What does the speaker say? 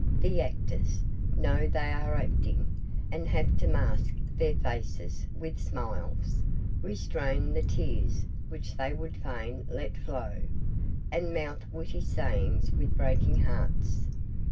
the actors know they are acting, and have to mask their faces with smiles, restrain the tears which they would fain let flow, and mouth witty sayings with breaking hearts.